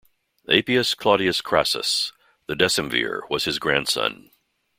Appius Claudius Crassus, the decemvir, was his grandson.